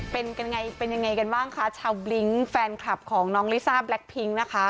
เป็นกันไงเป็นยังไงกันบ้างคะชาวบลิ้งแฟนคลับของน้องลิซ่าแล็คพิ้งนะคะ